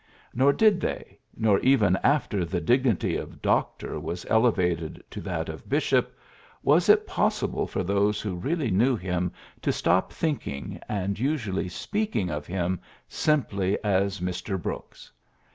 Nor did they, nor even after the dignity of ^^ Doctor" was ele vated to that of ^'Bishop," was it pos sible for those who really knew him to stop thinking, and usually speaking, of him simply as Mr. Brooks.